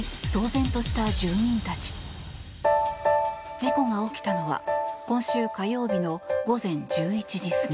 事故が起きたのは今週火曜日の午前１１時過ぎ